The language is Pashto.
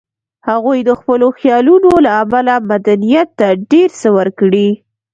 هغوی د خپلو خیالونو له امله مدنیت ته ډېر څه ورکړي